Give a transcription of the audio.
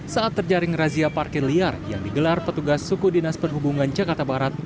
saat terjaring razia parkir liar yang digelar petugas suku dinas perhubungan jakarta barat